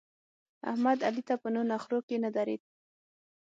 احمد؛ علي ته په نو نخرو کې نه درېد.